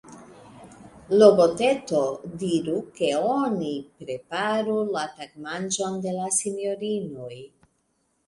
Logoteto, diru, ke oni preparu la tagmanĝon de la sinjorinoj.